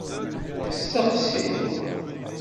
Steqsi!